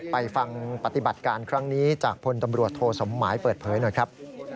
ไปฟังปฏิบัติการครั้งนี้จากพลตำรวจโทสมหมายเปิดเผยหน่อยครับ